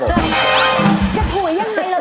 จะถุยยังไงล่ะร้องเล่นอยู่พี่หอย